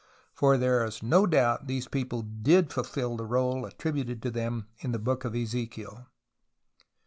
For there is no doubt these people did fulfil the role attributed to them in the Book of Ezekiel.